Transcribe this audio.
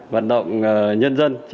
vận động nhân dân